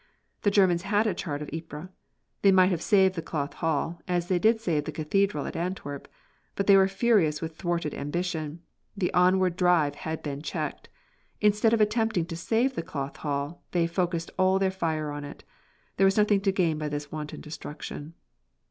The Germans had a chart of Ypres. They might have saved the Cloth Hall, as they did save the Cathedral at Antwerp. But they were furious with thwarted ambition the onward drive had been checked. Instead of attempting to save the Cloth Hall they focussed all their fire on it. There was nothing to gain by this wanton destruction.